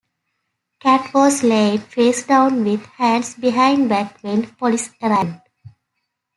Katt was laying face down with hands behind back when police arrived.